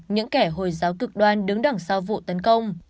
những kẻ hồi giáo cực đoan đứng đằng sau vụ tấn công